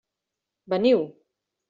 Veniu!